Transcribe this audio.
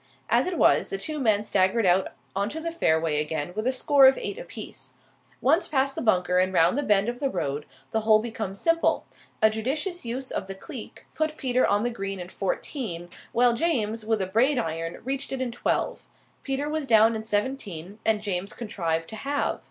As it was, the two men staggered out on to the fairway again with a score of eight apiece. Once past the bunker and round the bend of the road, the hole becomes simple. A judicious use of the cleek put Peter on the green in fourteen, while James, with a Braid iron, reached it in twelve. Peter was down in seventeen, and James contrived to halve.